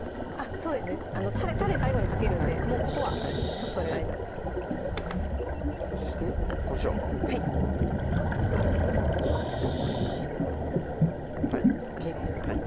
そうですねたれ最後にかけるんでもうここはちょっとで大丈夫ですそしてこしょうはいはいＯＫです